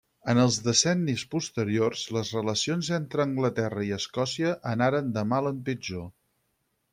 En els decennis posteriors les relacions entre Anglaterra i Escòcia anaren de mal en pitjor.